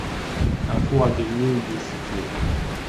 Un four à griller y est situé.